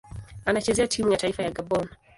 Anachezea timu ya taifa ya Gabon.